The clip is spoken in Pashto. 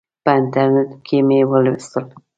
په انټرنیټ کې مې ولوستل.